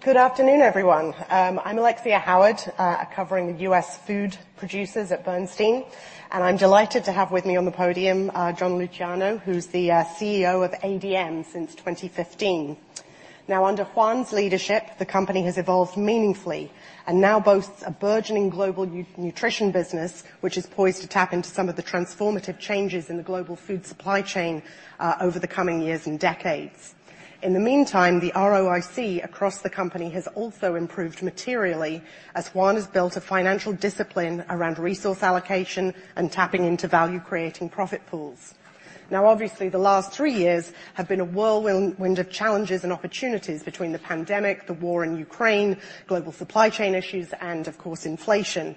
Good afternoon, everyone. I'm Alexia Howard, covering US food producers at Bernstein, and I'm delighted to have with me on the podium Juan Luciano, who's the CEO of ADM since 2015. Under Juan's leadership, the company has evolved meaningfully, and now boasts a burgeoning global nutrition business, which is poised to tap into some of the transformative changes in the global food supply chain over the coming years and decades. In the meantime, the ROIC across the company has also improved materially, as Juan has built a financial discipline around resource allocation and tapping into value-creating profit pools. Obviously, the last three years have been a whirlwind of challenges and opportunities between the pandemic, the war in Ukraine, global supply chain issues, and of course, inflation.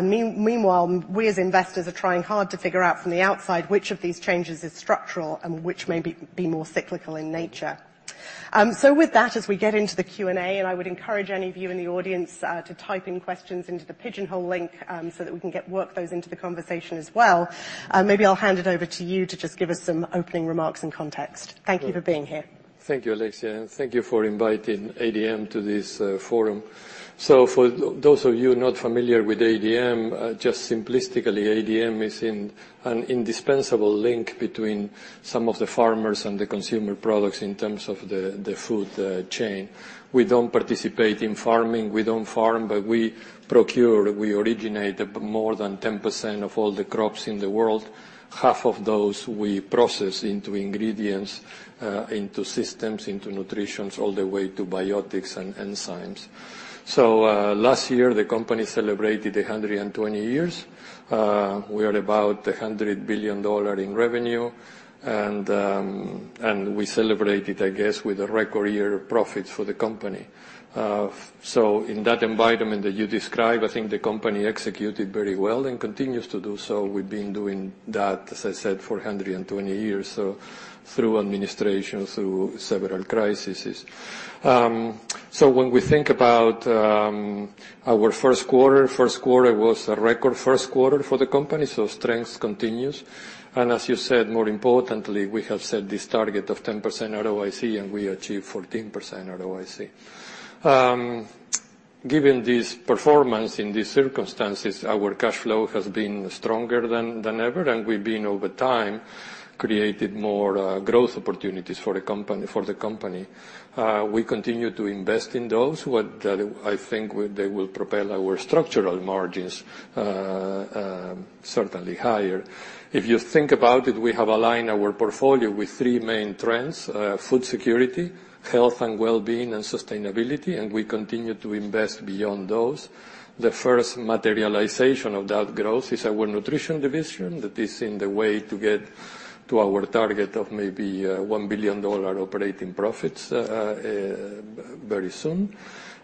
Meanwhile, we as investors are trying hard to figure out from the outside which of these changes is structural and which may be more cyclical in nature. With that, as we get into the Q&A, I would encourage any of you in the audience to type in questions into the Pigeonhole link, so that we can work those into the conversation as well. Maybe I'll hand it over to you to just give us some opening remarks and context. Thank you for being here. Thank you, Alexia. Thank you for inviting ADM to this forum. For those of you not familiar with ADM, just simplistically, ADM is in an indispensable link between some of the farmers and the consumer products in terms of the food chain. We don't participate in farming, we don't farm. We procure, we originate up more than 10% of all the crops in the world. Half of those, we process into ingredients, into systems, into nutrition's, all the way to biotics and enzymes. Last year, the company celebrated 120 years. We are about $100 billion in revenue. We celebrate it, I guess, with a record year of profits for the company. In that environment that you describe, I think the company executed very well and continues to do so. We've been doing that, as I said, for 120 years, so through administration, through several crises. When we think about our first quarter, first quarter was a record first quarter for the company, so strength continues. As you said, more importantly, we have set this target of 10% ROIC, and we achieved 14% ROIC. Given this performance in these circumstances, our cash flow has been stronger than ever, and we've been, over time, created more growth opportunities for the company. We continue to invest in those what, I think they will propel our structural margins, certainly higher. If you think about it, we have aligned our portfolio with three main trends: food security, health and well-being, sustainability. We continue to invest beyond those. The first materialization of that growth is our nutrition division. That is in the way to get to our target of maybe $1 billion operating profits very soon.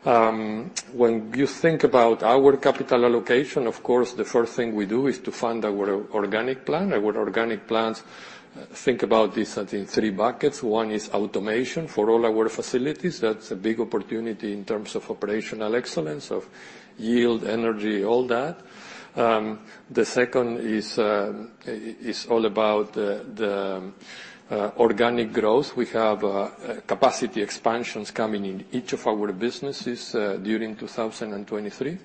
When you think about our capital allocation, of course, the first thing we do is to fund our organic plan. Our organic plans, think about this as in three buckets. One is automation for all our facilities. That's a big opportunity in terms of operational excellence, of yield, energy, all that. The second is all about the organic growth. We have capacity expansions coming in each of our businesses during 2023.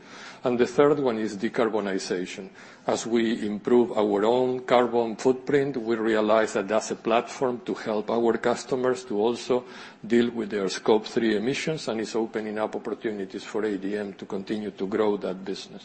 The third one is decarbonization. As we improve our own carbon footprint, we realize that that's a platform to help our customers to also deal with their Scope three emissions, and it's opening up opportunities for ADM to continue to grow that business.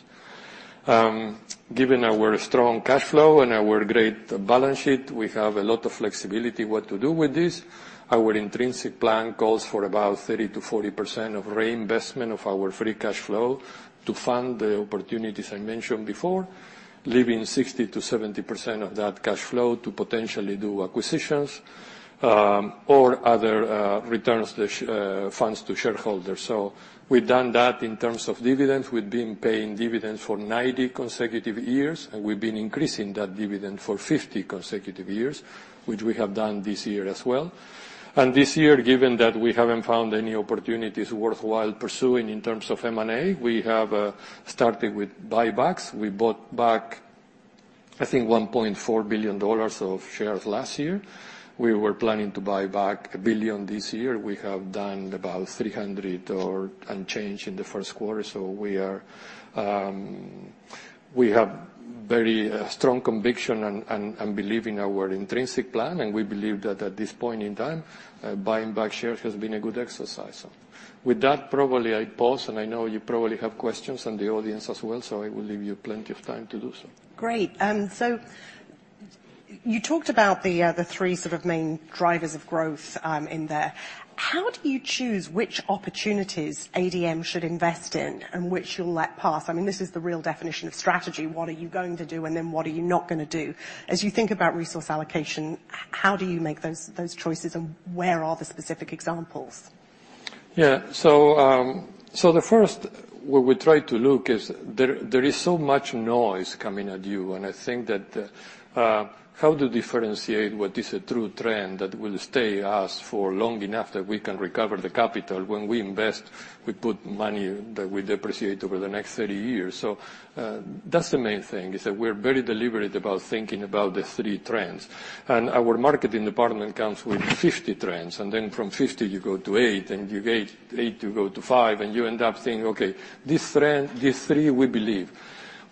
Given our strong cash flow and our great balance sheet, we have a lot of flexibility what to do with this. Our intrinsic plan calls for about 30%-40% of reinvestment of our free cash flow to fund the opportunities I mentioned before, leaving 60%-70% of that cash flow to potentially do acquisitions, or other returns to funds to shareholders. We've done that in terms of dividends. We've been paying dividends for 90 consecutive years, and we've been increasing that dividend for 50 consecutive years, which we have done this year as well. This year, given that we haven't found any opportunities worthwhile pursuing in terms of M&A, we have started with buybacks. We bought back, I think, $1.4 billion of shares last year. We were planning to buy back $1 billion this year. We have done about $300 million and change in the first quarter, we have very strong conviction and believe in our intrinsic plan, and we believe that at this point in time, buying back shares has been a good exercise. With that, probably I pause. I know you probably have questions in the audience as well. I will leave you plenty of time to do so. Great. You talked about the three sort of main drivers of growth in there. How do you choose which opportunities ADM should invest in and which you'll let pass? I mean, this is the real definition of strategy. What are you going to do, and then what are you not gonna do? As you think about resource allocation, how do you make those choices, and where are the specific examples? Yeah. The first, where we try to look is there is so much noise coming at you, and I think that, how to differentiate what is a true trend that will stay us for long enough that we can recover the capital. When we invest, we put money that we depreciate over the next 30 years. That's the main thing, is that we're very deliberate about thinking about the three trends. Our marketing department comes with 50 trends, and then from 50, you go to eight, and you get eight, you go to five, and you end up saying, "Okay, this trend, these three, we believe."...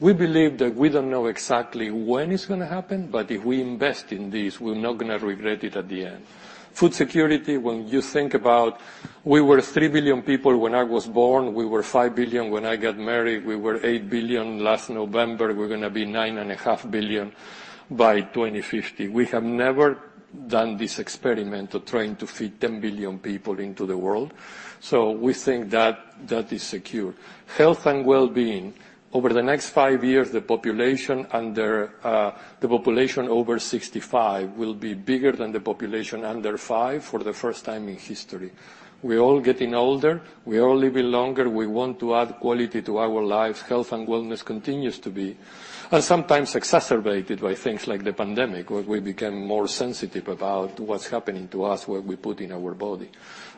We believe that we don't know exactly when it's gonna happen, but if we invest in this, we're not gonna regret it at the end. Food security, when you think about we were 3 billion people when I was born, we were 5 billion when I got married, we were 8 billion last November, we're going to be 9.5 billion by 2050. We have never done this experiment of trying to feed 10 billion people into the world, we think that that is secure. Health and well-being, over the next five years, the population over 65 will be bigger than the population under 5 for the first time in history. We're all getting older, we all living longer, we want to add quality to our lives. Health and wellness continues to be, and sometimes exacerbated by things like the pandemic, where we became more sensitive about what's happening to us, what we put in our body.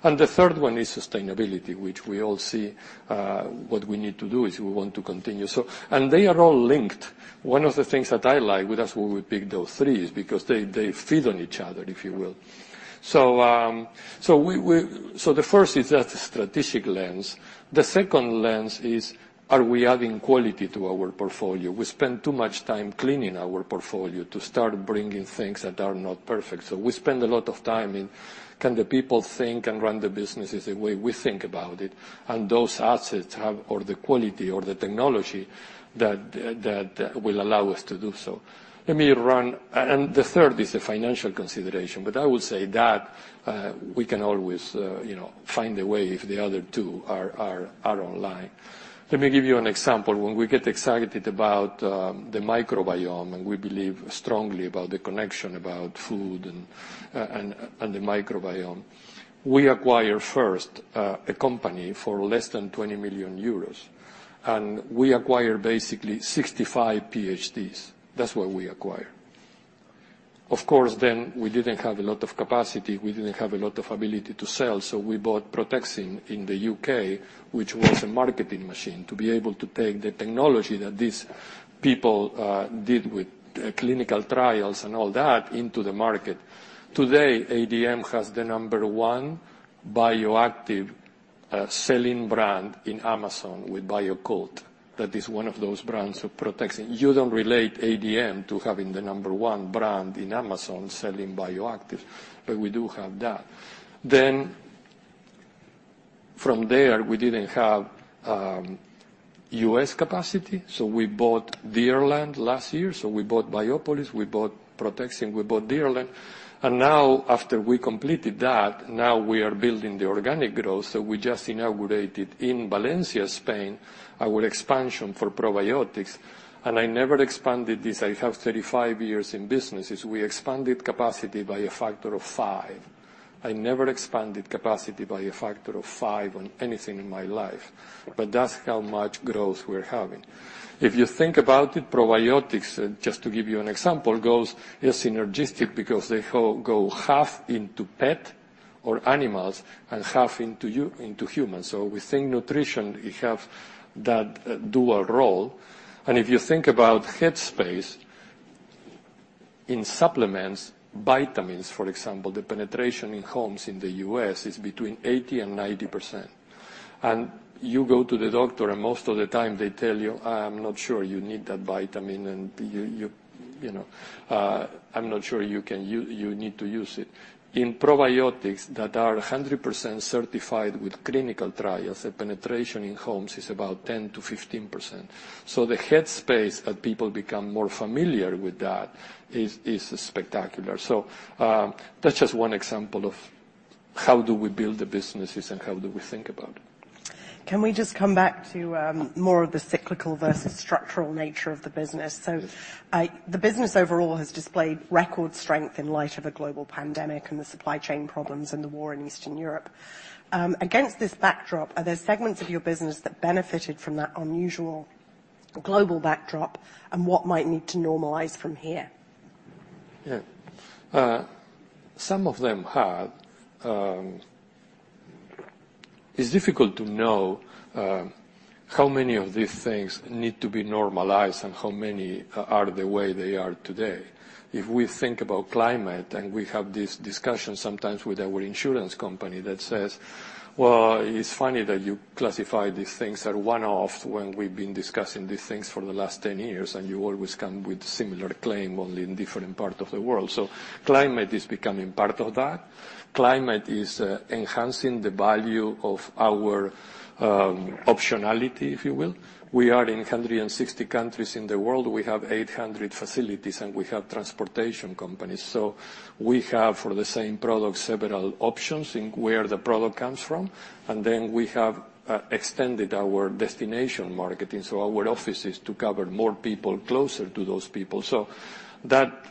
The third one is sustainability, which we all see, what we need to do is we want to continue. They are all linked. One of the things that I like with us, we would pick those three, is because they feed on each other, if you will. The first is that strategic lens. The second lens is, are we adding quality to our portfolio? We spend too much time cleaning our portfolio to start bringing things that are not perfect. We spend a lot of time in, can the people think and run the businesses the way we think about it, and those assets have, or the quality or the technology that will allow us to do so. Let me run. The third is the financial consideration, but I would say that, we can always, you know, find a way if the other two are online. Let me give you an example. When we get excited about the microbiome, and we believe strongly about the connection about food and the microbiome, we acquire first, a company for less than 20 million euros, and we acquire basically 65 PhDs. That's what we acquire. Of course, we didn't have a lot of capacity, we didn't have a lot of ability to sell, so we bought Protexin in the U.K., which was a marketing machine, to be able to take the technology that these people did with clinical trials and all that into the market. Today, ADM has the number one Bioactive selling brand in Amazon with Bio-Kult. That is 1 of those brands of Protexin. You don't relate ADM to having the number 1 brand in Amazon selling Bioactives, we do have that. From there, we didn't have U.S. capacity, we bought Deerland last year. We bought Biopolis, we bought Protexin, we bought Deerland, now, after we completed that, now we are building the organic growth. We just inaugurated in Valencia, Spain, our expansion for Probiotics, I never expanded this. I have 35 years in businesses. We expanded capacity by a factor of five. I never expanded capacity by a factor of five on anything in my life, that's how much growth we're having. If you think about it, Probiotics, just to give you an example, goes is synergistic because they go half into pet or animals and half into humans. Within nutrition, you have that dual role. If you think about headspace, in supplements, vitamins, for example, the penetration in homes in the U.S. is between 80% and 90%. You go to the doctor, and most of the time, they tell you, "I'm not sure you need that vitamin," and you know, "I'm not sure you need to use it." In Probiotics that are 100% certified with clinical trials, the penetration in homes is about 10%-15%. The headspace that people become more familiar with that is spectacular. That's just one example of how do we build the businesses and how do we think about it. Can we just come back to, more of the cyclical versus structural nature of the business? The business overall has displayed record strength in light of a global pandemic and the supply chain problems and the war in Eastern Europe. Against this backdrop, are there segments of your business that benefited from that unusual global backdrop, and what might need to normalize from here? Yeah. Some of them have... It's difficult to know how many of these things need to be normalized and how many are the way they are today. If we think about climate, and we have this discussion sometimes with our insurance company that says, "Well, it's funny that you classify these things as one-off, when we've been discussing these things for the last 10 years, and you always come with similar claim, only in different part of the world." Climate is becoming part of that. Climate is enhancing the value of our optionality, if you will. We are in 160 countries in the world. We have 800 facilities, and we have transportation companies. We have, for the same product, several options in where the product comes from. We have extended our destination marketing, so our office is to cover more people closer to those people. That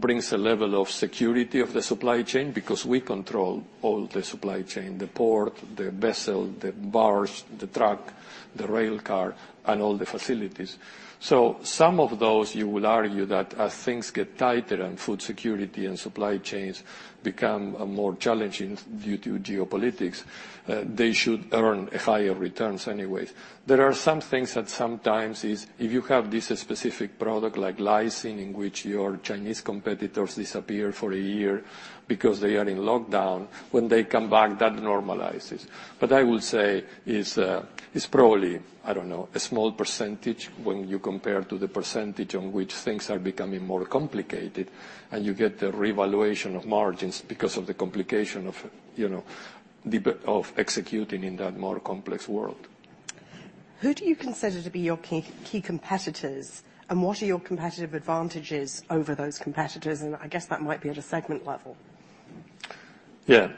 brings a level of security of the supply chain because we control all the supply chain, the port, the vessel, the bars, the truck, the rail car, and all the facilities. Some of those, you will argue that as things get tighter and food security and supply chains become more challenging due to geopolitics, they should earn higher returns anyways. There are some things that sometimes is, if you have this specific product, like lysine, in which your Chinese competitors disappear for a year because they are in lockdown, when they come back, that normalizes. I will say it's probably, I don't know, a small percentage when you compare to the percentage on which things are becoming more complicated, and you get the revaluation of margins because of the complication of, you know, executing in that more complex world. Who do you consider to be your key competitors, and what are your competitive advantages over those competitors? I guess that might be at a segment level. Yeah.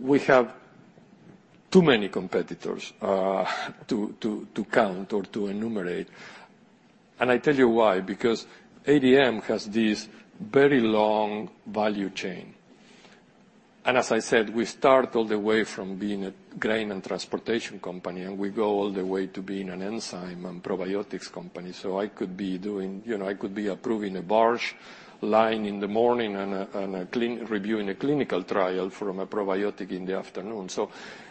We have too many competitors to count or to enumerate, and I tell you why because ADM has this very long value chain. As I said, we start all the way from being a grain and transportation company, and we go all the way to being an enzyme and Probiotics company. I could be, you know, approving a barge line in the morning and reviewing a clinical trial from a probiotic in the afternoon.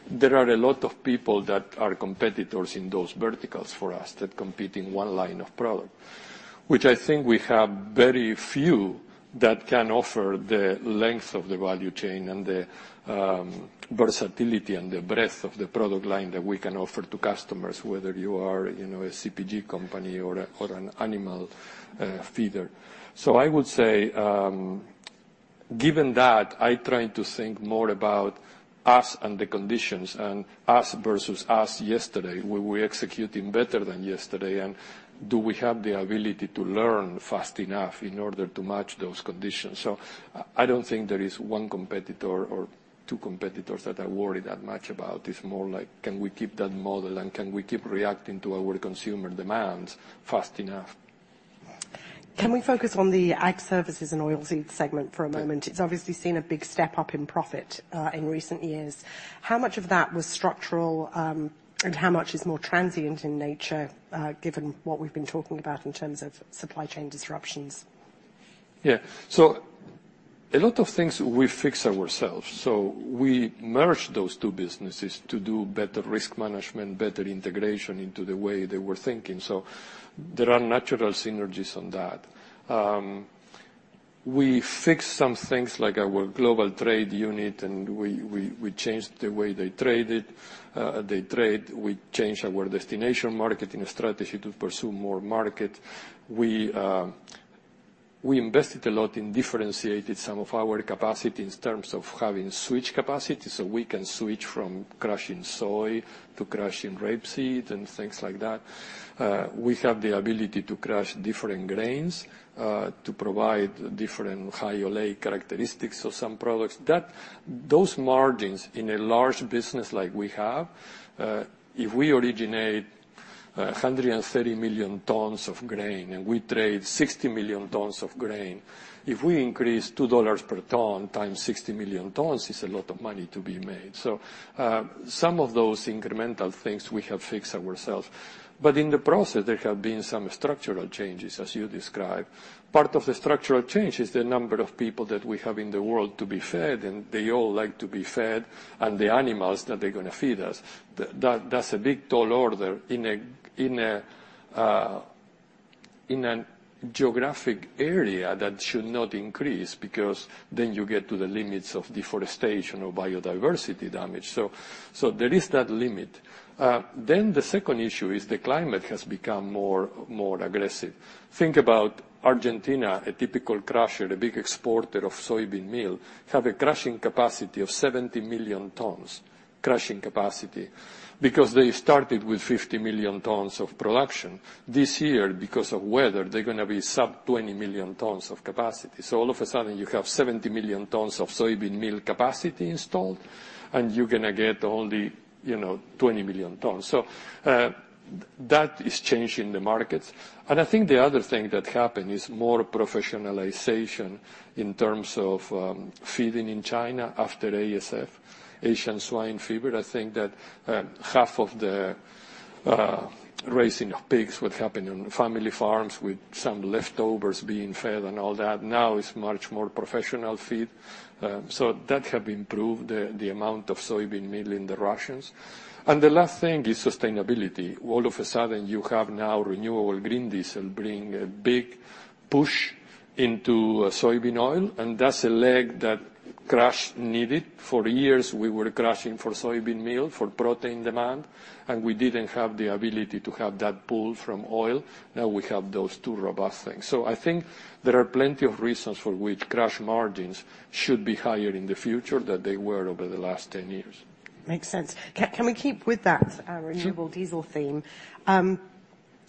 There are a lot of people that are competitors in those verticals for us, that compete in one line of product, which I think we have very few that can offer the length of the value chain and the versatility and the breadth of the product line that we can offer to customers, whether you are, you know, a CPG company or an animal feeder. I would say, given that, I try to think more about us and the conditions and us versus us yesterday. Were we executing better than yesterday, and do we have the ability to learn fast enough in order to match those conditions? I don't think there is one competitor or two competitors that I worry that much about. It's more like, can we keep that model, and can we keep reacting to our consumer demands fast enough? Can we focus on the Ag Services and Oilseeds segment for a moment? Yeah. It's obviously seen a big step-up in profit, in recent years. How much of that was structural, and how much is more transient in nature, given what we've been talking about in terms of supply chain disruptions? A lot of things we fixed ourselves, so we merged those two businesses to do better risk management, better integration into the way they were thinking, so there are natural synergies on that. We fixed some things like our global trade unit, and we changed the way they traded, they trade. We changed our destination market and strategy to pursue more market. We invested a lot in differentiated some of our capacity in terms of having switch capacity, so we can switch from crushing soy to crushing rapeseed and things like that. We have the ability to crush different grains, to provide different higholeic characteristics of some products. Those margins, in a large business like we have, if we originate 130 million tons of grain, and we trade 60 million tons of grain, if we increase $2 per ton times 60 million tons, it's a lot of money to be made. Some of those incremental things we have fixed ourselves, but in the process, there have been some structural changes, as you describe. Part of the structural change is the number of people that we have in the world to be fed, and they all like to be fed and the animals that they're gonna feed us. That's a big, tall order in a geographic area that should not increase, because then you get to the limits of deforestation or biodiversity damage, so there is that limit. The second issue is the climate has become more aggressive. Think about Argentina, a typical crusher, a big exporter of soybean meal, have a crushing capacity of 70 million tons, because they started with 50 million tons of production. This year, because of weather, they're gonna be sub-20 million tons of capacity. All of a sudden you have 70 million tons of soybean meal capacity installed, and you're gonna get only 20 million tons. That is changing the markets, and I think the other thing that happened is more professionalization in terms of feeding in China after ASF, African swine fever. I think that half of the raising of pigs would happen in family farms with some leftovers being fed and all that. Now it's much more professional feed, so that have improved the amount of soybean meal in the rations. The last thing is sustainability. All of a sudden, you have now renewable green diesel bringing a big push into soybean oil, and that's a leg that crush needed. For years, we were crushing for soybean meal, for protein demand, and we didn't have the ability to have that pull from oil. Now we have those two robust things. I think there are plenty of reasons for which crush margins should be higher in the future than they were over the last 10 years. Makes sense. Can we keep with that. Sure Renewable diesel theme?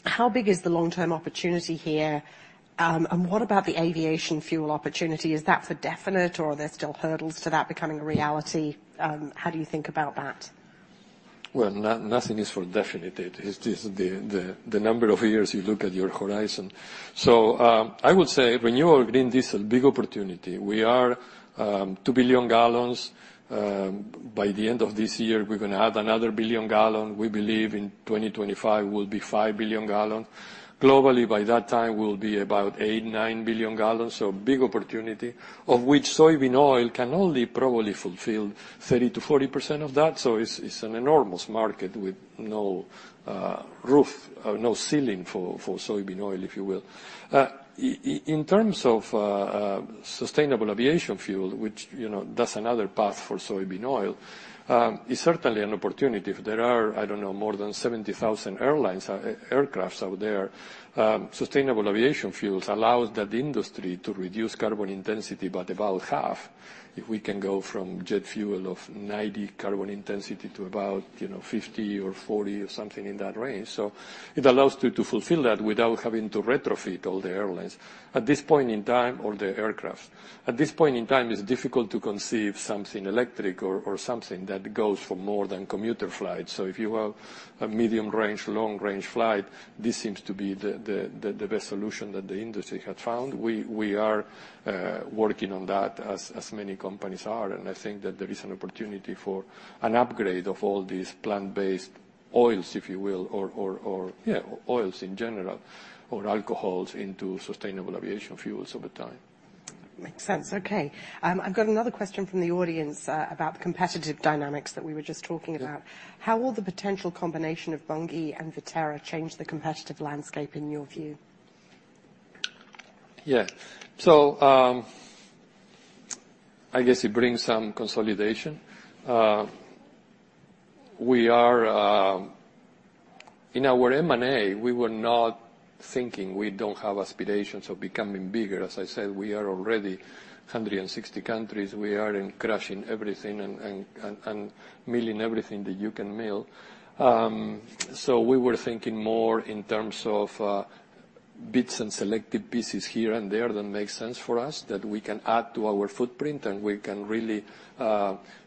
How big is the long-term opportunity here, and what about the aviation fuel opportunity? Is that for definite, or are there still hurdles to that becoming a reality? How do you think about that? Well, nothing is for definite. It is just the number of years you look at your horizon. I would say renewable green diesel, big opportunity. We are twn billion gallons. By the end of this year, we're gonna add another one billion gallon. We believe in 2025 will be five billion gallon. Globally, by that time, we'll be about eight, nine billion gallons, so big opportunity, of which soybean oil can only probably fulfill 30%-40% of that, so it's an enormous market with no roof, no ceiling for soybean oil, if you will. In terms of sustainable aviation fuel, which, you know, that's another path for soybean oil, it's certainly an opportunity. There are, I don't know, more than 70,000 airlines, aircrafts out there. Sustainable aviation fuels allow that industry to reduce carbon intensity by about half. If we can go from jet fuel of 90 carbon intensity to about, you know, 50 or 40 or something in that range. It allows you to fulfill that without having to retrofit all the airlines. At this point in time. Or the aircraft. At this point in time, it's difficult to conceive something electric or something that goes for more than commuter flights. If you have a medium-range, long-range flight, this seems to be the best solution that the industry has found. We are working on that, as many companies are, I think that there is an opportunity for an upgrade of all these plant-based oils, if you will, or, yeah, oils in general, or alcohols into sustainable aviation fuels over time. Makes sense. Okay, I've got another question from the audience, about the competitive dynamics that we were just talking about. How will the potential combination of Bunge and Viterra change the competitive landscape, in your view? I guess it brings some consolidation. We are in our M&A, we were not thinking. We don't have aspirations of becoming bigger. As I said, we are already 160 countries. We are in crushing everything and milling everything that you can mill. We were thinking more in terms of bits and selected pieces here and there that make sense for us, that we can add to our footprint, and we can really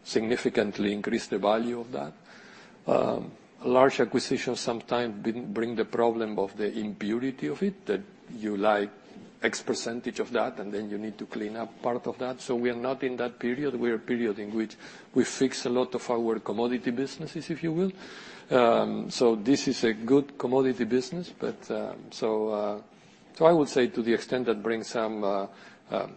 significantly increase the value of that. Large acquisitions sometimes bring the problem of the impurity of it, that you like X% of that, and then you need to clean up part of that. We are not in that period. We are a period in which we fix a lot of our commodity businesses, if you will. This is a good commodity business. I would say to the extent that brings some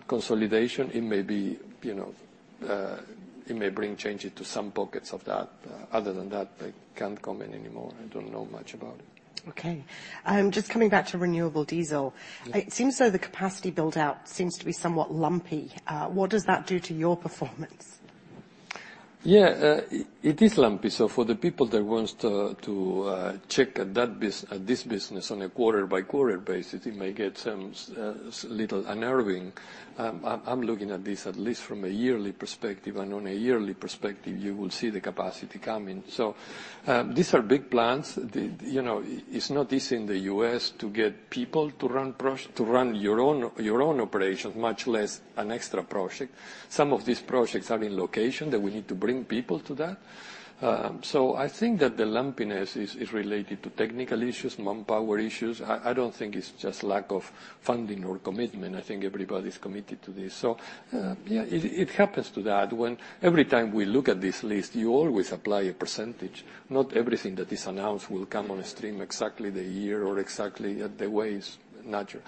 consolidation, it may be, you know, it may bring changes to some pockets of that. Other than that, I can't comment anymore. I don't know much about it. Okay. just coming back to renewable diesel- Yeah. It seems as though the capacity build-out seems to be somewhat lumpy. What does that do to your performance? Yeah, it is lumpy, so for the people that wants to check at this business on a quarter-by-quarter basis, it may get little unnerving. I'm looking at this at least from a yearly perspective, and on a yearly perspective, you will see the capacity coming. These are big plants. The, you know, it's not easy in the US to get people to run your own operations, much less an extra project. Some of these projects are in location that we need to bring people to that. I think that the lumpiness is related to technical issues, manpower issues. I don't think it's just lack of funding or commitment. I think everybody's committed to this. Yeah, it happens to that. When every time we look at this list, you always apply a percentage. Not everything that is announced will come on stream exactly the year or exactly at the way it's nature.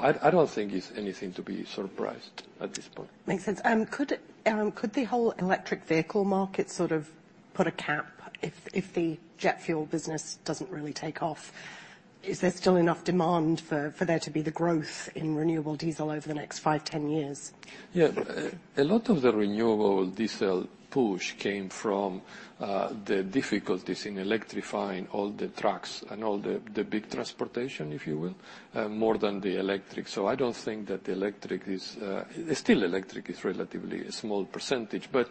I don't think it's anything to be surprised at this point. Makes sense. Could the whole electric vehicle market sort of put a cap if the jet fuel business doesn't really take off? Is there still enough demand for there to be the growth in renewable diesel over the next five, 10 years? A lot of the renewable diesel push came from the difficulties in electrifying all the trucks and all the big transportation, if you will, more than the electric. I don't think that the electric is. Still, electric is relatively a small percentage, but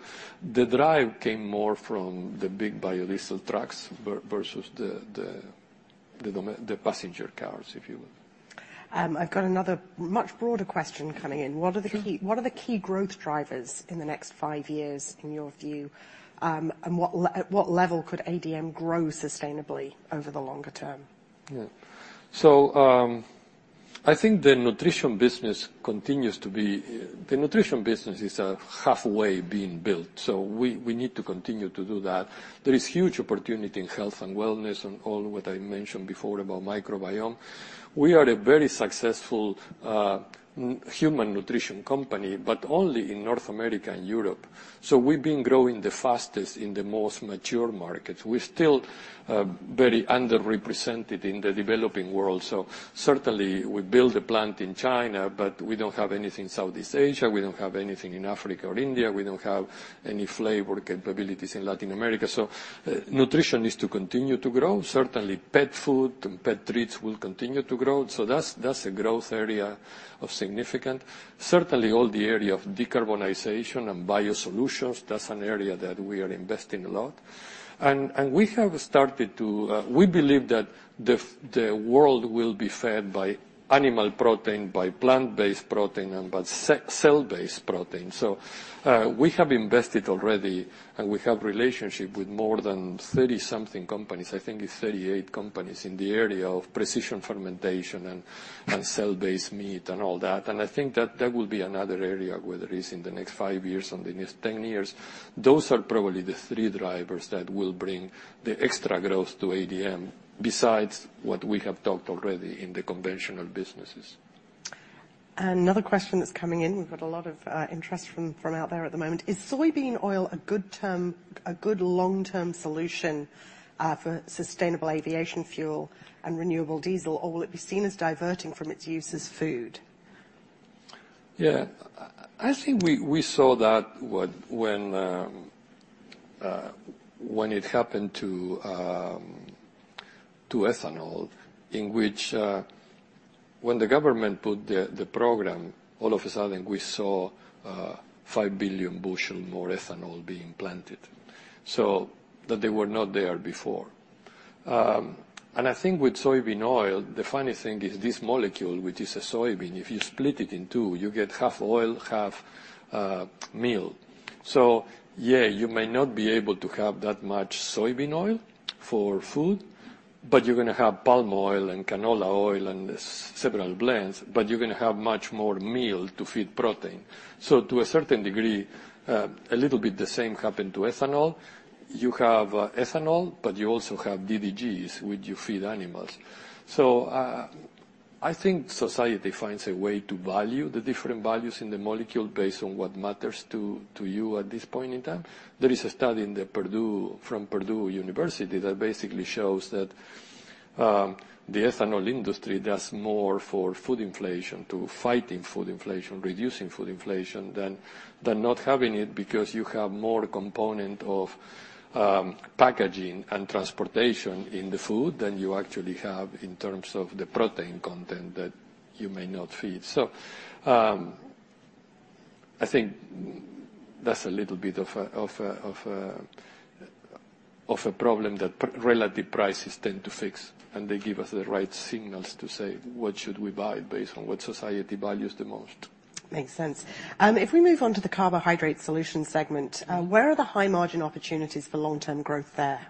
the drive came more from the big biodiesel trucks versus the passenger cars, if you will. I've got another much broader question coming in. Mm-hmm. What are the key growth drivers in the next five years, in your view? At what level could ADM grow sustainably over the longer term? Yeah. The nutrition business is halfway being built, we need to continue to do that. There is huge opportunity in health and wellness and all what I mentioned before about microbiome. We are a very successful human nutrition company, only in North America and Europe, we've been growing the fastest in the most mature markets. We're still very underrepresented in the developing world, certainly we build a plant in China, we don't have anything in Southeast Asia. We don't have anything in Africa or India. We don't have any flavor capabilities in Latin America. Nutrition is to continue to grow. Certainly, pet food and pet treats will continue to grow, that's a growth area of significant. Certainly, all the area of decarbonization and BioSolutions, that's an area that we are investing a lot. We believe that the world will be fed by animal protein, by plant-based protein, and by cell-based protein, so we have invested already, and we have relationship with more than 30-something companies, I think it's 38 companies, in the area of precision fermentation and cell-based meat and all that. I think that that will be another area whether it's in the next five years or the next 10 years. Those are probably the three drivers that will bring the extra growth to ADM, besides what we have talked already in the conventional businesses. Another question that's coming in, we've got a lot of interest from out there at the moment: "Is soybean oil a good term, a good long-term solution for sustainable aviation fuel and renewable diesel, or will it be seen as diverting from its use as food? Yeah. I think we saw that, what, when it happened to ethanol, in which, when the government put the program, all of a sudden, we saw five billion bushel more ethanol being planted, so that they were not there before. I think with soybean oil, the funny thing is this molecule, which is a soybean, if you split it in two, you get half oil, half meal. Yeah, you may not be able to have that much soybean oil for food, but you're gonna have palm oil and canola oil and several blends, but you're gonna have much more meal to feed protein. To a certain degree, a little bit the same happened to ethanol. You have ethanol, but you also have DDGs, which you feed animals. I think society finds a way to value the different values in the molecule based on what matters to you at this point in time. There is a study from Purdue University that basically shows that the ethanol industry does more for food inflation, to fighting food inflation, reducing food inflation, than not having it, because you have more component of packaging and transportation in the food than you actually have in terms of the protein content that you may not feed. I think that's a little bit of a problem that relative prices tend to fix, and they give us the right signals to say, what should we buy based on what society values the most? Makes sense. If we move on to the Carbohydrate Solutions segment, where are the high margin opportunities for long-term growth there?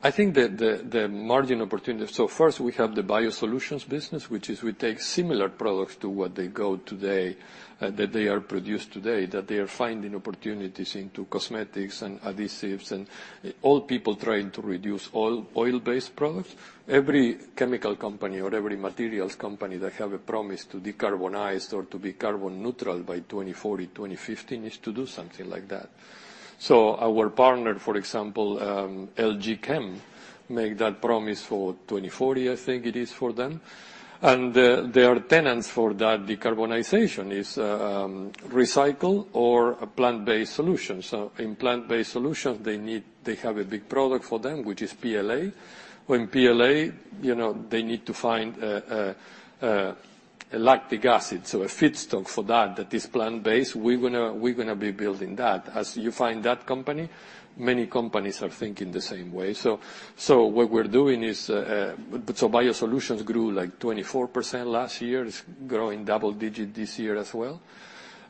I think that the margin opportunity... First, we have the BioSolutions business, which is we take similar products to what they go today, that they are produced today, that they are finding opportunities into cosmetics and adhesives and all people trying to reduce oil-based products. Every chemical company or every materials company that have a promise to decarbonize or to be carbon neutral by 2040, 2015, needs to do something like that. Our partner, for example, LG Chem, make that promise for 2040, I think it is for them. There are tenants for that decarbonization is recycle or a plant-based solution. In plant-based solutions, they have a big product for them, which is PLA. When PLA, you know, they need to find lactic acid, so a feedstock for that is plant-based, we're gonna be building that. As you find that company, many companies are thinking the same way. What we're doing is so BioSolutions grew, like, 24% last year. It's growing double digit this year as well.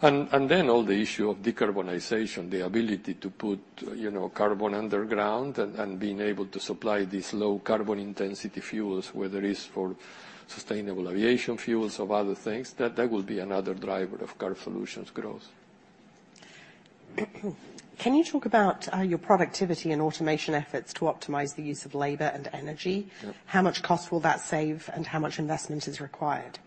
Then all the issue of decarbonization, the ability to put, you know, carbon underground and being able to supply these low carbon intensity fuels, whether it's for sustainable aviation fuels or other things, that will be another driver of carb Solutions growth. Can you talk about your productivity and automation efforts to optimize the use of labor and energy? Yeah. How much cost will that save, and how much investment is required?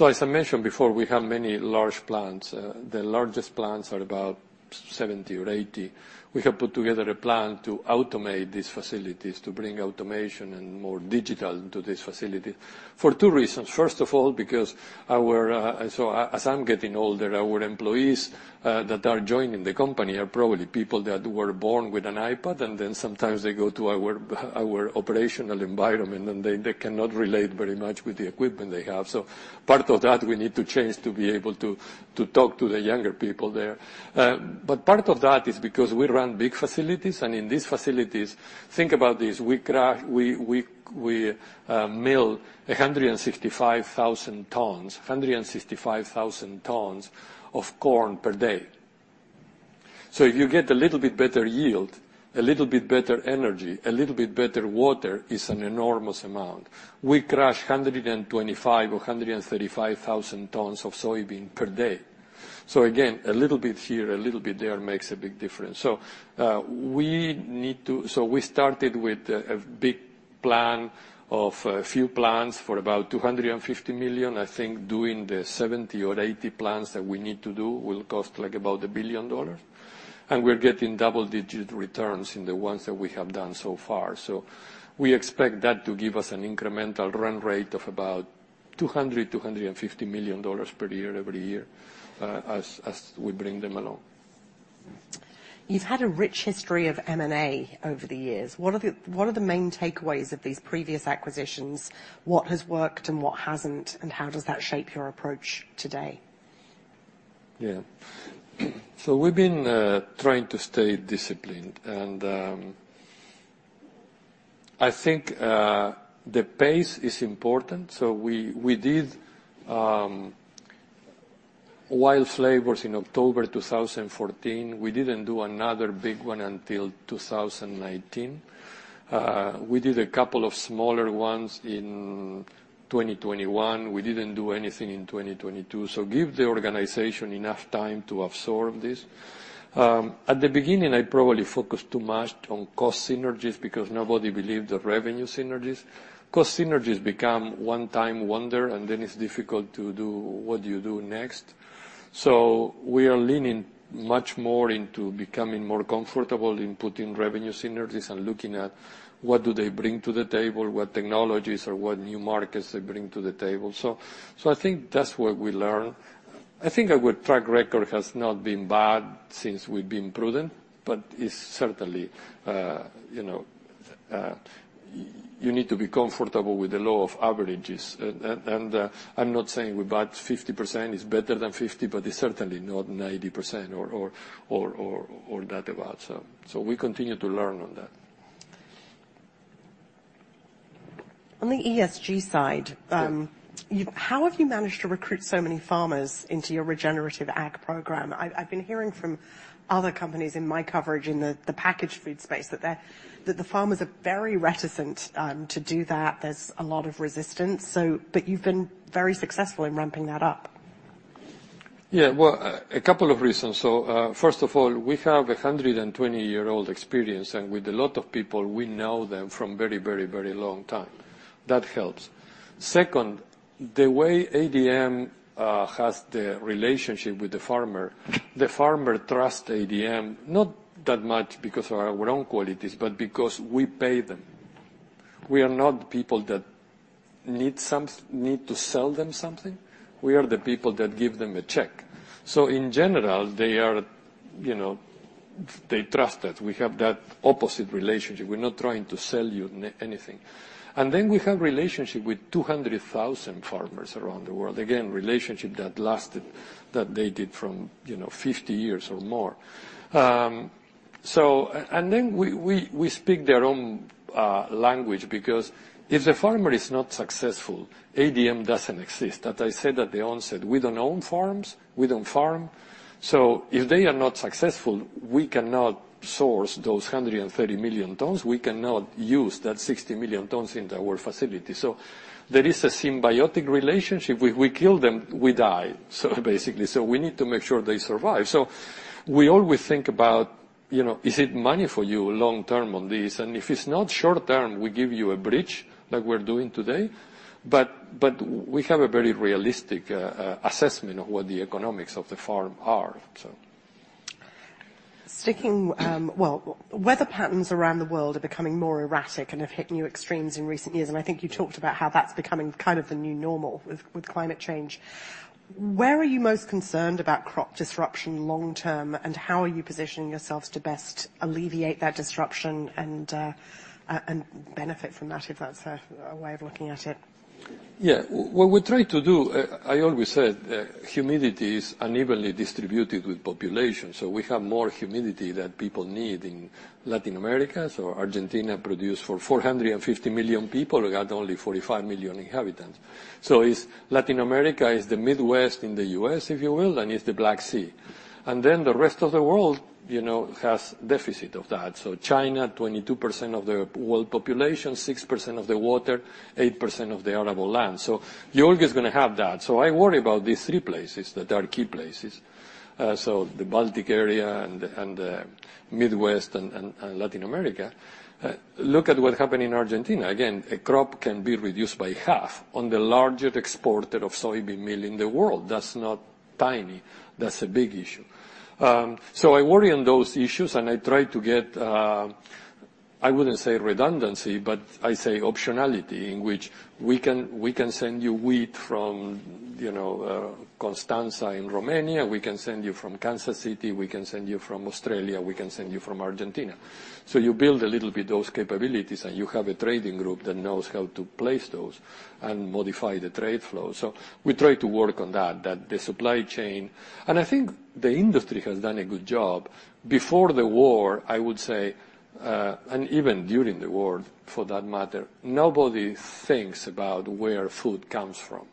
As I mentioned before, we have many large plants. The largest plants are about 70 or 80. We have put together a plan to automate these facilities, to bring automation and more digital to this facility, for two reasons. First of all, because as I'm getting older, our employees that are joining the company are probably people that were born with an iPad, and then sometimes they go to our operational environment, and they cannot relate very much with the equipment they have. Part of that, we need to change to be able to talk to the younger people there. But part of that is because we run big facilities, and in these facilities, think about this, we mill 165,000 tons of corn per day. If you get a little bit better yield, a little bit better energy, a little bit better water, it's an enormous amount. We crush 125,000 or 135,000 tons of soybean per day. Again, a little bit here, a little bit there, makes a big difference. We need to... We started with a big plan of a few plants for about $250 million. I think doing the 70 or 80 plants that we need to do will cost, like, about $1 billion. We're getting double-digit returns in the ones that we have done so far. We expect that to give us an incremental run rate of about $200 million-$250 million per year, every year, as we bring them along. You've had a rich history of M&A over the years. What are the main takeaways of these previous acquisitions? What has worked and what hasn't, and how does that shape your approach today? Yeah. We've been trying to stay disciplined, and I think the pace is important. We did WILD Flavors in October 2014. We didn't do another big one until 2019. We did a couple of smaller ones in 2021. We didn't do anything in 2022, so give the organization enough time to absorb this. At the beginning, I probably focused too much on cost synergies because nobody believed the revenue synergies. Cost synergies become one-time wonder, and then it's difficult to do what you do next. We are leaning much more into becoming more comfortable in putting revenue synergies and looking at what do they bring to the table, what technologies or what new markets they bring to the table. I think that's what we learn. I think our track record has not been bad since we've been prudent, but it's certainly, you know, you need to be comfortable with the law of averages. I'm not saying we're bad, 50% is better than 50, but it's certainly not 90% or that about. We continue to learn on that. On the ESG side. Yeah How have you managed to recruit so many farmers into your regenerative ag program? I've been hearing from other companies in my coverage in the packaged food space, that the farmers are very reticent to do that. There's a lot of resistance. You've been very successful in ramping that up. Well, a couple of reasons. First of all, we have a 120-year-old experience, and with a lot of people, we know them from very, very, very long time. That helps. Second, the way ADM has the relationship with the farmer, the farmer trusts ADM, not that much because of our own qualities, but because we pay them. We are not people that need to sell them something. We are the people that give them a check. In general, they are, you know, they trust us. We have that opposite relationship. We're not trying to sell you anything. We have relationship with 200,000 farmers around the world. Again, relationship that lasted, that dated from, you know, 50 years or more. Then we speak their own language, because if the farmer is not successful, ADM doesn't exist. As I said at the onset, we don't own farms, we don't farm, so if they are not successful, we cannot source those 130 million tons. We cannot use that 60 million tons in our facility. There is a symbiotic relationship. We kill them, we die, so basically, we need to make sure they survive. We always think about, you know, is it money for you long term on this? If it's not short term, we give you a bridge, like we're doing today. We have a very realistic assessment of what the economics of the farm are. Sticking, Well, weather patterns around the world are becoming more erratic and have hit new extremes in recent years, and I think you talked about how that's becoming kind of the new normal with climate change. Where are you most concerned about crop disruption long term, and how are you positioning yourselves to best alleviate that disruption and benefit from that, if that's a way of looking at it? Yeah. What we try to do, I always said, humidity is unevenly distributed with population, we have more humidity than people need in Latin America. Argentina produce for 450 million people, we got only 45 million inhabitants. Latin America is the Midwest in the U.S., if you will, and it's the Black Sea. Then the rest of the world, you know, has deficit of that. China, 22% of the world population, 6% of the water, 8% of the arable land. Europe is gonna have that. I worry about these three places that are key places, the Baltic area and Midwest and Latin America. Look at what happened in Argentina. Again, a crop can be reduced by half on the largest exporter of soybean meal in the world. That's not tiny, that's a big issue. I worry on those issues, and I try to get, I wouldn't say redundancy, but I say optionality, in which we can, we can send you wheat from, you know, Constanța in Romania, we can send you from Kansas City, we can send you from Australia, we can send you from Argentina. You build a little bit those capabilities, and you have a trading group that knows how to place those and modify the trade flow. We try to work on that the supply chain. I think the industry has done a good job. Before the war, I would say, even during the war, for that matter, nobody thinks about where food comes from.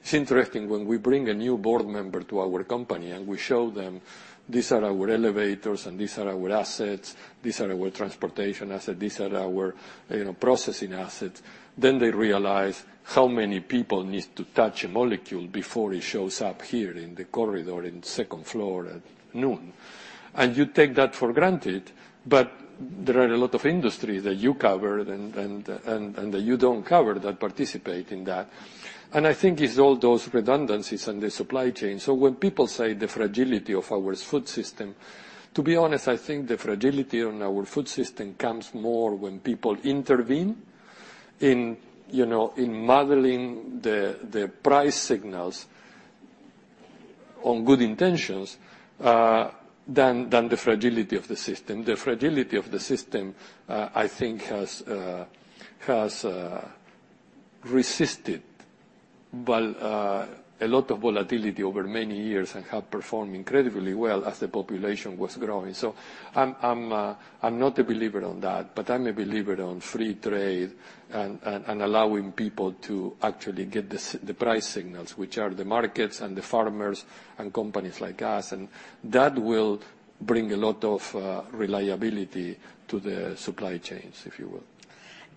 It's interesting, when we bring a new board member to our company, we show them, "These are our elevators, and these are our assets, these are our transportation assets, these are our, you know, processing assets," then they realize how many people need to touch a molecule before it shows up here in the corridor in second floor at noon. You take that for granted, but there are a lot of industry that you cover and that you don't cover, that participate in that. I think it's all those redundancies in the supply chain. When people say the fragility of our food system, to be honest, I think the fragility on our food system comes more when people intervene in, you know, in modeling the price signals on good intentions, than the fragility of the system. The fragility of the system, I think has resisted by a lot of volatility over many years and have performed incredibly well as the population was growing. I'm not a believer on that, but I'm a believer on free trade and allowing people to actually get the price signals, which are the markets and the farmers and companies like us, and that will bring a lot of reliability to the supply chains, if you will.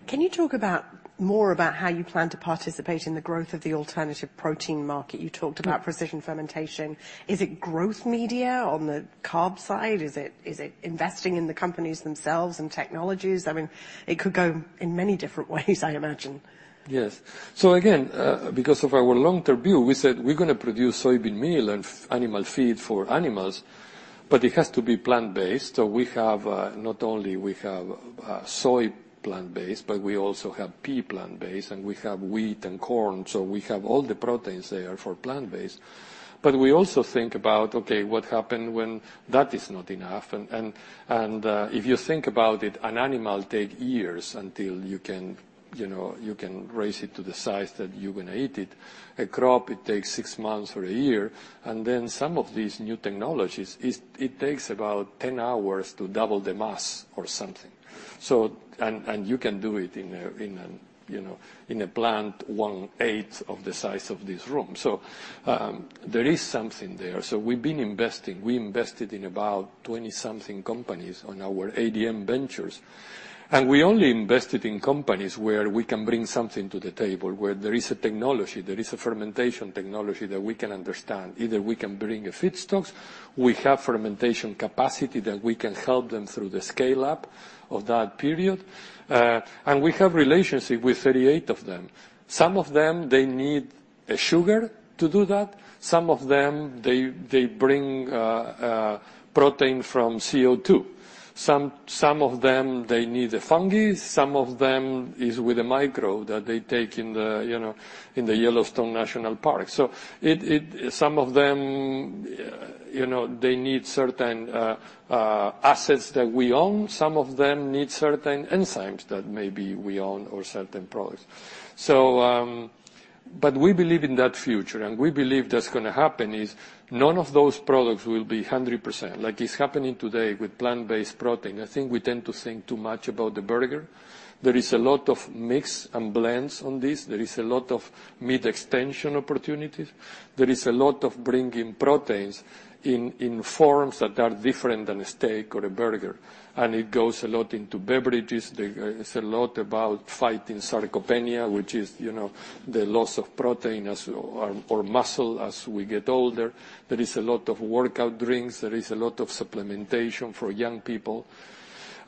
Can you talk about, more about how you plan to participate in the growth of the alternative protein market? You talked about precision fermentation. Is it growth media on the carb side? Is it investing in the companies themselves and technologies? I mean, it could go in many different ways, I imagine. Yes. Again, because of our long-term view, we said we're gonna produce soybean meal and animal feed for animals, but it has to be plant-based. We have, not only we have, soy plant-based, but we also have pea plant-based, and we have wheat and corn, so we have all the proteins there for plant-based. We also think about, okay, what happened when that is not enough? If you think about it, an animal take years until you can, you know, you can raise it to the size that you're gonna eat it. A crop, it takes six months or a year, and then some of these new technologies, it takes about 10 hours to double the mass or something. You can do it in a, in an, you know, in a plant one-eighth of the size of this room. There is something there. We've been investing. We invested in about 20-something companies on our ADM Ventures, and we only invested in companies where we can bring something to the table, where there is a technology, there is a fermentation technology that we can understand. Either we can bring a feedstocks, we have fermentation capacity that we can help them through the scale-up of that period, and we have relationship with 38 of them. Some of them, they need a sugar to do that. Some of them, they bring protein from CO2. Some of them, they need a fungus, some of them is with a micro that they take in the, you know, in the Yellowstone National Park. It some of them, you know, they need certain assets that we own. Some of them need certain enzymes that maybe we own or certain products. We believe in that future, and we believe that's gonna happen, is none of those products will be 100%. Like it's happening today with plant-based protein. I think we tend to think too much about the burger. There is a lot of mix and blends on this. There is a lot of meat extension opportunities. There is a lot of bringing proteins in forms that are different than a steak or a burger, and it goes a lot into beverages. There is a lot about fighting sarcopenia, which is, you know, the loss of protein as or muscle as we get older. There is a lot of workout drinks. There is a lot of supplementation for young people,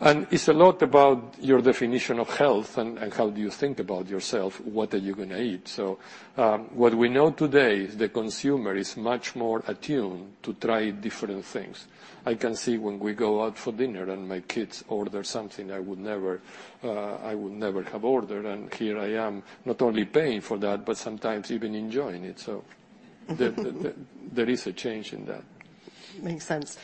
and it's a lot about your definition of health and how do you think about yourself, what are you gonna eat? What we know today is the consumer is much more attuned to try different things. I can see when we go out for dinner, and my kids order something I would never have ordered, and here I am, not only paying for that, but sometimes even enjoying it. There is a change in that. Makes sense.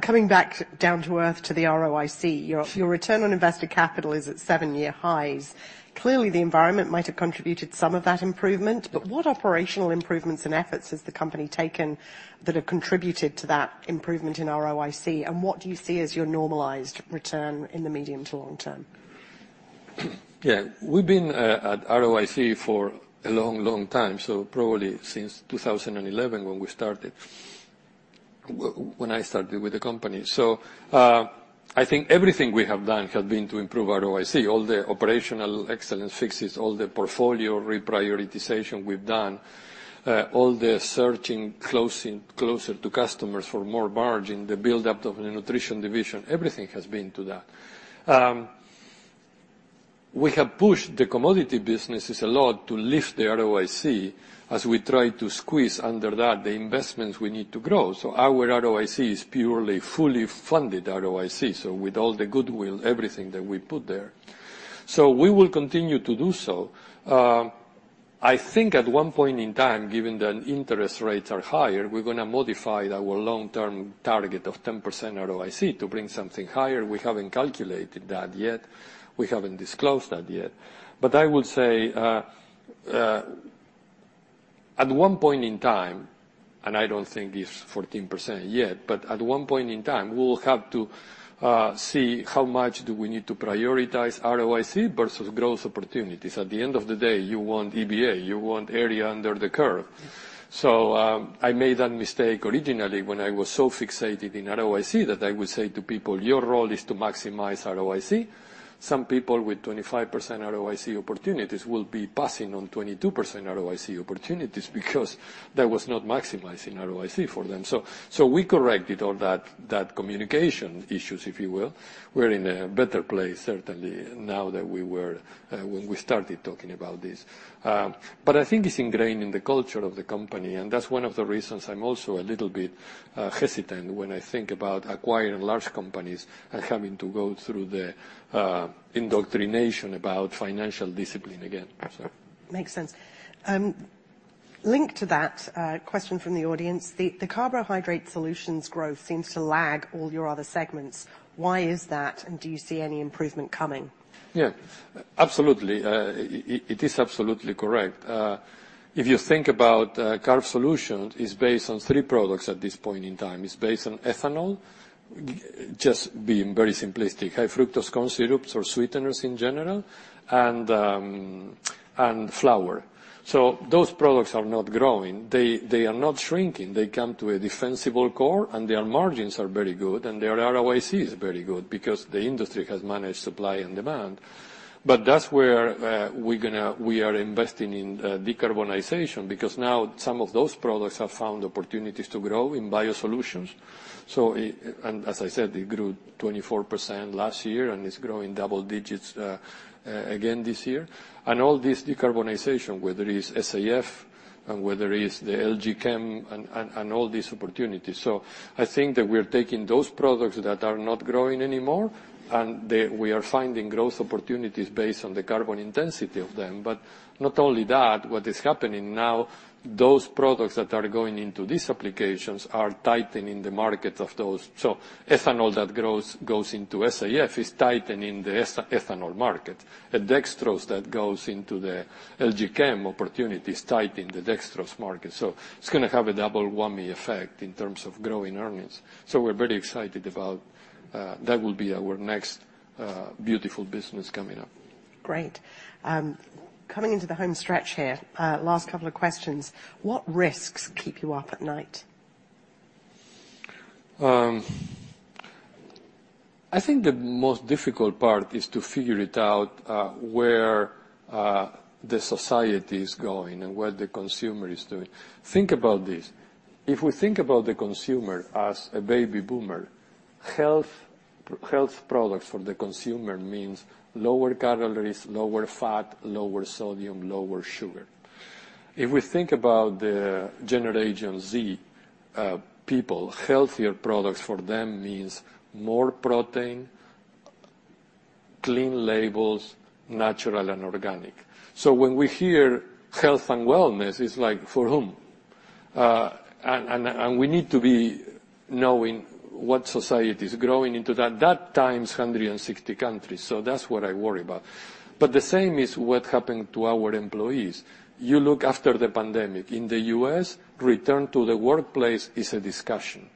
coming back down to earth, to the ROIC, your return on invested capital is at 7-year highs. Clearly, the environment might have contributed some of that improvement. What operational improvements and efforts has the company taken that have contributed to that improvement in ROIC, and what do you see as your normalized return in the medium to long term? We've been at ROIC for a long, long time, probably since 2011, when we started when I started with the company. I think everything we have done has been to improve ROIC. All the operational excellence fixes, all the portfolio reprioritization we've done, all the searching, closing, closer to customers for more margin, the buildup of the Nutrition Division, everything has been to that. We have pushed the commodity businesses a lot to lift the ROIC as we try to squeeze under that, the investments we need to grow. Our ROIC is purely fully funded ROIC, with all the goodwill, everything that we put there. We will continue to do so. I think at one point in time, given that interest rates are higher, we're gonna modify our long-term target of 10% ROIC to bring something higher. We haven't calculated that yet. We haven't disclosed that yet. I would say, at one point in time, and I don't think it's 14% yet, but at one point in time, we will have to see how much do we need to prioritize ROIC versus growth opportunities. At the end of the day, you want ADM, you want Area Under the Curve. I made that mistake originally when I was so fixated in ROIC, that I would say to people, "Your role is to maximize ROIC." Some people with 25% ROIC opportunities will be passing on 22% ROIC opportunities because that was not maximizing ROIC for them. We corrected all that communication issues, if you will. We're in a better place, certainly, now than we were, when we started talking about this. I think it's ingrained in the culture of the company, and that's one of the reasons I'm also a little bit hesitant when I think about acquiring large companies and having to go through the indoctrination about financial discipline again. Makes sense. link to that, question from the audience, the Carbohydrate Solutions growth seems to lag all your other segments. Why is that, and do you see any improvement coming? Yeah, absolutely. It is absolutely correct. If you think about Carbohydrate Solutions, it's based on three products at this point in time. It's based on ethanol, just being very simplistic, high-fructose corn syrup or sweeteners in general, and flour. Those products are not growing. They are not shrinking. They come to a defensible core, and their margins are very good, and their ROIC is very good because the industry has managed supply and demand. That's where we are investing in decarbonization, because now some of those products have found opportunities to grow in BioSolutions. And as I said, it grew 24% last year, and it's growing double digits again this year. All this decarbonization, whether it's SAF, and whether it's the LG Chem and all these opportunities. I think that we're taking those products that are not growing anymore. We are finding growth opportunities based on the carbon intensity of them. Not only that, what is happening now, those products that are going into these applications are tightening the market of those. Ethanol that grows, goes into SAF, is tightening the ethanol market. Dextrose that goes into the LG Chem opportunity is tightening the dextrose market. It's gonna have a double whammy effect in terms of growing earnings. We're very excited about that will be our next beautiful business coming up. Great. Coming into the home stretch here, last couple of questions: What risks keep you up at night? I think the most difficult part is to figure it out where the society is going and what the consumer is doing. Think about this. If we think about the consumer as a baby boomer, health products for the consumer means lower calories, lower fat, lower sodium, lower sugar. If we think about the Generation Z people, healthier products for them means more protein, clean labels, natural and organic. When we hear health and wellness, it's like, for whom? We need to be knowing what society is growing into that times 160 countries, that's what I worry about. The same is what happened to our employees. You look after the pandemic, in the U.S., return to the workplace is a discussion.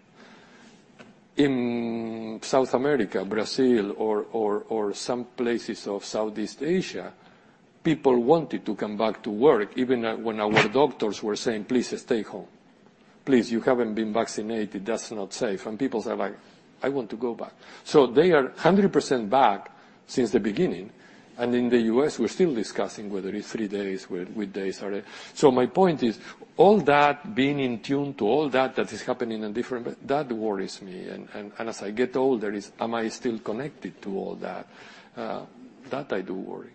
In South America, Brazil or some places of Southeast Asia, people wanted to come back to work, even when our doctors were saying, "Please, stay home. Please, you haven't been vaccinated, that's not safe." People said, like, "I want to go back." They are 100% back since the beginning, and in the U.S., we're still discussing whether it's three days, which days are they... My point is, all that, being in tune to all that is happening in different way, that worries me. As I get older, is am I still connected to all that? That I do worry.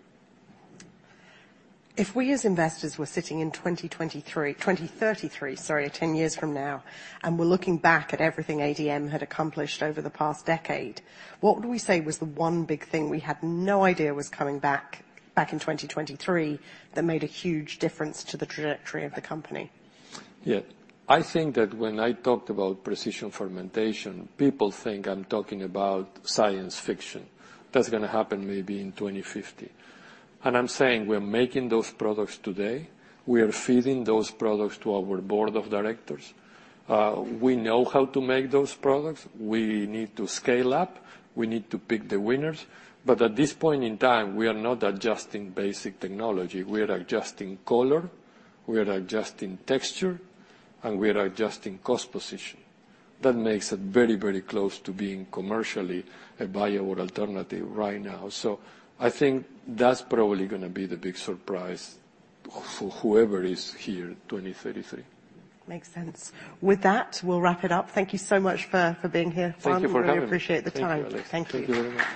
If we as investors were sitting in 2033, sorry, 10 years from now, and we're looking back at everything ADM had accomplished over the past decade, what would we say was the one big thing we had no idea was coming back in 2023, that made a huge difference to the trajectory of the company? Yeah. I think that when I talked about precision fermentation, people think I'm talking about science fiction. That's gonna happen maybe in 2050. I'm saying we're making those products today. We are feeding those products to our board of directors. We know how to make those products. We need to scale up. We need to pick the winners. At this point in time, we are not adjusting basic technology. We are adjusting color, we are adjusting texture, and we are adjusting cost position. That makes it very, very close to being commercially a viable alternative right now. I think that's probably gonna be the big surprise for whoever is here 2033. Makes sense. With that, we'll wrap it up. Thank you so much for being here. Thank you for having me. I really appreciate the time. Thank you. Thank you very much.